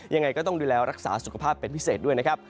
ยังไงก็ต้องดูแลรักษาสุขภาพเป็นพิเศษด้วยนะครับ